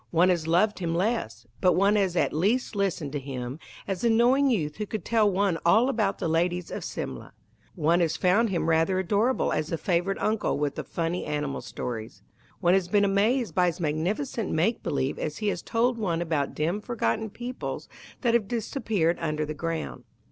One has loved him less, but one has at least listened to him, as the knowing youth who could tell one all about the ladies of Simla. One has found him rather adorable as the favourite uncle with the funny animal stories. One has been amazed by his magnificent make believe as he has told one about dim forgotten peoples that have disappeared under the ground.